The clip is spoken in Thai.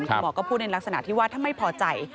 คุณหมอก็พูดในลักษณะที่ว่าถ้าไม่พอใจ